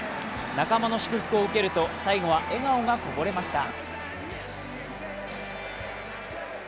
仲間の祝福を受けると、最後は笑顔がこぼれました。